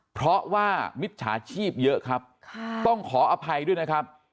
เพราะว่ามิจฉาชีพเยอะครับต้องขออภัยด้วยนะครับ